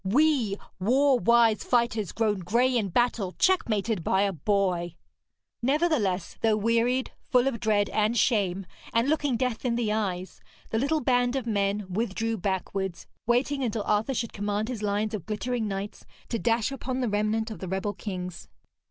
We war wise fighters, grown grey in battle, checkmated by a boy!' Nevertheless, though wearied, full of dread and shame, and looking death in the eyes, the little band of men withdrew backwards, waiting until Arthur should command his lines of glittering knights to dash upon the remnant of the rebel kings.